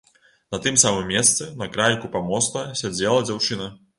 На тым самым месцы, на крайку памоста, сядзела дзяўчына.